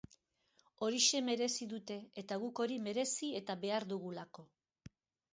Horixe merezi dute eta guk hori merezi eta behar dugulako.